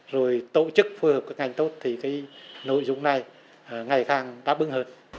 rồi tổ chức phù hợp các ngành tốt thì cái nội dung này ngày càng đáp bứng hơn